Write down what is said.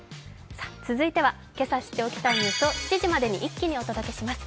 続いては、今朝知っておきたいニュースを７時までに一騎にお届けします。